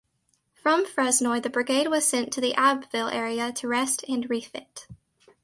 From Fresnoy the brigade was sent to the Abbeville area to rest and refit.